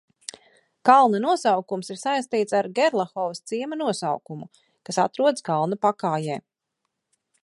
Kalna nosaukums ir saistīts ar Gerlahovas ciema nosaukumu, kas atrodas kalna pakājē.